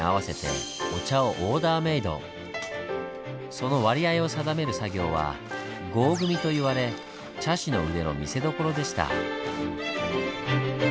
その割合を定める作業は「合組」と言われ茶師の腕の見せどころでした。